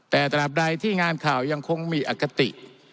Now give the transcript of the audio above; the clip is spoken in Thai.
แต่ตราบใดที่งานข่าวยังคงมีอคติ